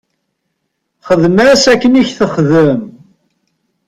Xdem-as akken i k-texdem.